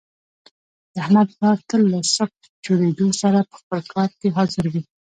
د احمد پلار تل له صبح چودېدلو سره په خپل کار کې حاضر وي.